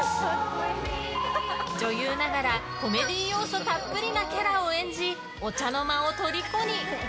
女優ながらコメディー要素たっぷりなキャラを演じお茶の間をとりこに。